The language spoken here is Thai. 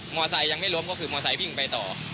มอไซยังไม่ล้มก็คือมอไซพิ่งไปต่อ